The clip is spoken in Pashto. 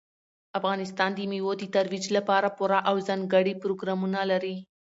افغانستان د مېوو د ترویج لپاره پوره او ځانګړي پروګرامونه لري.